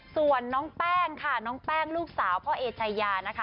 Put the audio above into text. ส่วนน้องแป้งค่ะน้องแป้งลูกสาวพ่อเอชายานะคะ